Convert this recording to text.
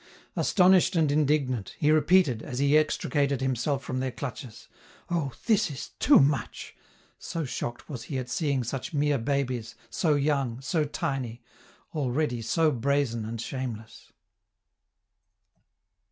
Astonished and indignant, he repeated, as he extricated himself from their clutches, "Oh, this is too much!" so shocked was he at seeing such mere babies, so young, so tiny, already so brazen and shameless.